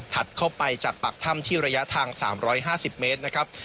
เข้าไปจากปากถ้ำที่ระยะทาง๓๕๐เมตรนะครับ